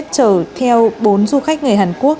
chở theo bốn du khách người hàn quốc